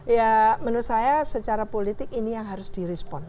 ya menurut saya secara politik ini yang harus direspon